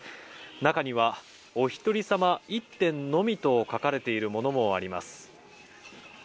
中にはお一人様１点のみと書かれているものもあります。